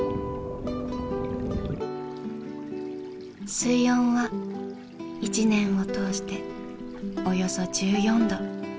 水温は一年を通しておよそ１４度。